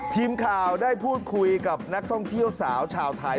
ทีมข่าวได้พูดคุยกับนักท่องเที่ยวสาวชาวไทย